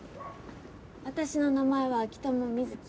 私の名前は秋友美月。